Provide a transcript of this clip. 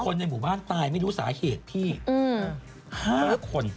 ในหมู่บ้านตายไม่รู้สาเหตุพี่๕คน